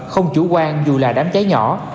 không chủ quan dù là đám cháy nhỏ